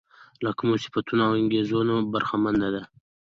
له کومو صفتونو او انګېرنو برخمنه ده.